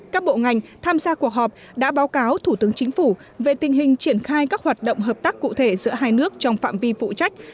các bộ ngành tham gia cuộc họp đã báo cáo thủ tướng chính phủ về tình hình triển khai các hoạt động hợp tác cụ thể giữa hai nước trong phạm vi phụ trách